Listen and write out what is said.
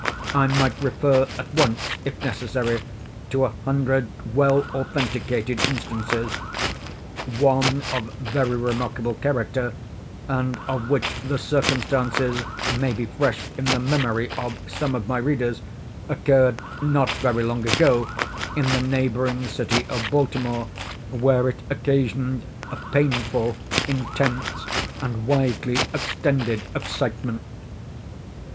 I might refer at once, if necessary, to a hundred well authenticated instances. One of very remarkable character, and of which the circumstances may be fresh in the memory of some of my readers, occurred, not very long ago, in the neighboring city of Baltimore, where it occasioned a painful, intense, and widely extended excitement.